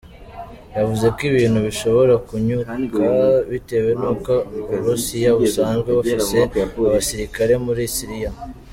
Yavuze ko ibintu bishobora kwunyuka, bitewe nuko Uburusiya busanzwe bufise abasirikare muri Siriya.